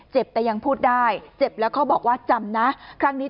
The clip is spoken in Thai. เจ็บแต่ยังพูดได้เจ็บแล้วเขาบอกว่าจำนะครั้งนี้